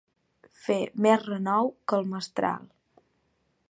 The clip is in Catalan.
Fer més renou que el mestral.